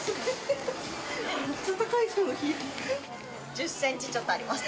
１０ｃｍちょっとあります。